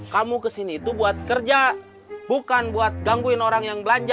kamu kesini itu buat kerja bukan buat gangguin orang yang belanja